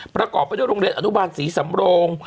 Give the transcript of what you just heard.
ประกอบไปด้วยโรงเรียนอนุบาลศรีสำโรง